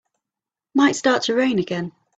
Might start to rain again.